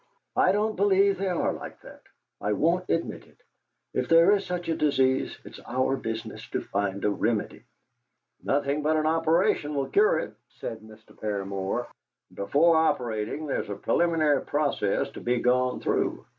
"I don't believe they are like that! I won't admit it. If there is such a disease, it's our business to find a remedy." "Nothing but an operation will cure it," said Mr. Paramor; "and before operating there's a preliminary process to be gone through.